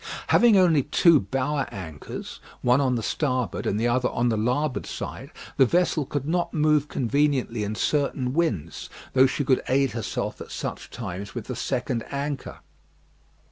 Having only two bower anchors, one on the starboard and the other on the larboard side, the vessel could not move conveniently in certain winds, though she could aid herself at such times with the second anchor.